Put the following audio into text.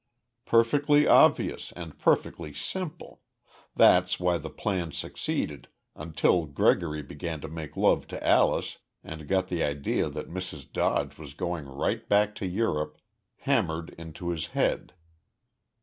"Perfectly obvious and perfectly simple that's why the plan succeeded until Gregory began to make love to Alyce and got the idea that Mrs. Dodge was going right back to Europe hammered into his head.